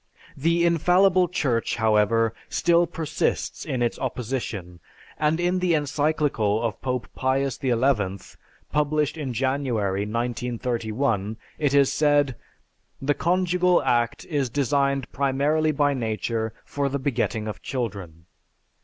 The infallible Church, however, still persists in its opposition and in the Encyclical of Pope Pius XI, published in January, 1931, it is said, "The conjugal act is destined primarily by nature for the begetting of children.